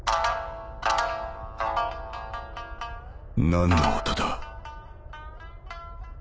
何の音だ？